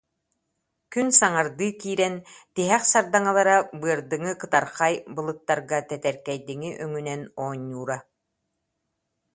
Күн саҥардыы киирэн, тиһэх сардаҥалара быардыҥы кытархай былыттарга тэтэркэйдиҥи өҥүнэн оонньуура